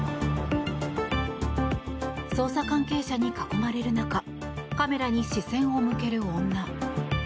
捜査関係者に囲まれる中カメラに視線を向ける女。